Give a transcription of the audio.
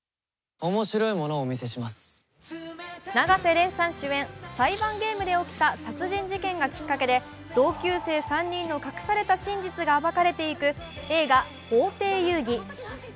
永瀬廉さん主演、裁判ゲームで起きた殺人事件がきっかけで同級生３人の隠された真実が暴かれていく映画「法廷遊戯」。